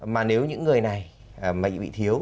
mà nếu những người này bị thiếu